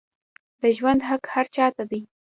د ژوند حق هر چا ته دی